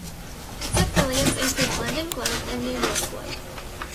Its affiliates include London Globe and New York Globe.